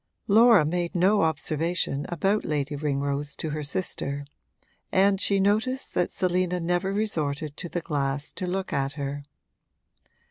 Laura made no observation about Lady Ringrose to her sister, and she noticed that Selina never resorted to the glass to look at her.